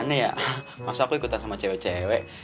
ini ya masa aku ikutan sama cewek cewek